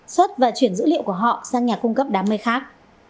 xuất và chuyển dữ liệu của họ sang nhà cung cấp đám mây khác